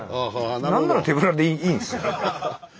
何なら手ぶらでいいんですよ。